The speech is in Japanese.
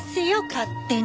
勝手に。